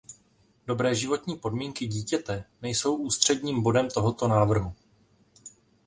Dobré životní podmínky dítěte nejsou ústředním bodem tohoto návrhu.